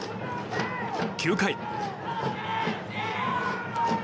９回。